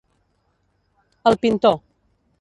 El pintor.